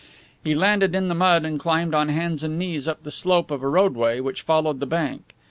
He landed in the mud and climbed on hands and knees up the slope of a roadway which followed the bank.